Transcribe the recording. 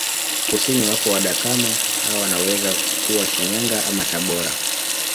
Kusini wapo Wadakama hawa wanaweza kuwa Shinyanga ama Tabora